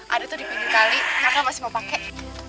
ada tuh dipinggir kali kenapa masih mau pakai